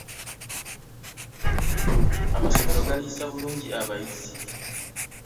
Amasomero galiisa bulungi abayizi?